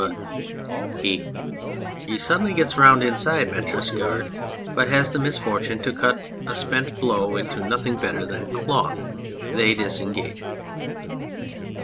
But (He suddenly gets round inside METRIS' guard, but has the misfortune to cut with a spent blow into nothing better than cloth. They disengage.